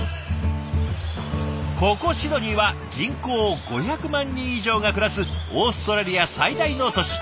ここシドニーは人口５００万人以上が暮らすオーストラリア最大の都市。